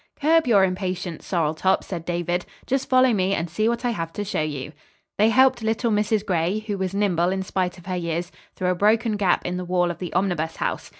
"Curb your impatience, Sorrel Top," said David. "Just follow me, and see what I have to show you." They helped little Mrs. Gray, who was nimble in spite of her years, through a broken gap in the wall of the Omnibus House.